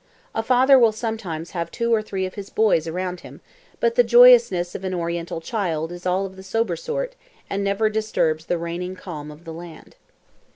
A father will sometimes have two or three of his boys around him; but the joyousness of an Oriental child is all of the sober sort, and never disturbs the reigning calm of the land.